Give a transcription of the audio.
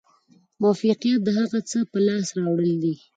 موفقیت د هغه څه په لاس راوړل دي.